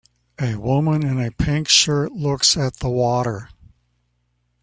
A woman in a pink shirt looks at the water.